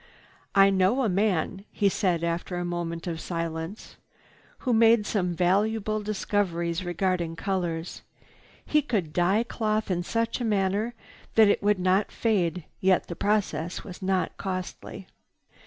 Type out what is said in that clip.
"I know a man," he said after a moment of silence, "who made some valuable discoveries regarding colors. He could dye cloth in such a manner that it would not fade, yet the process was not costly.